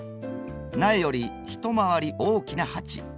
苗より一回り大きな鉢。